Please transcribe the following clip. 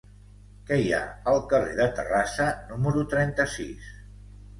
Què hi ha al carrer de Terrassa número trenta-sis?